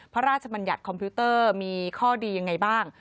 บรรยัติคอมพิวเตอร์มีข้อดียังไงบ้าง